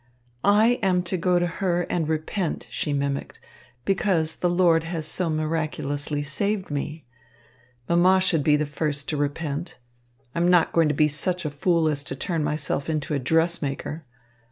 "I am to go to her and repent," she mimicked, "because the Lord has so miraculously saved me. Mamma should be the first to repent. I am not going to be such a fool as to turn myself into a dressmaker.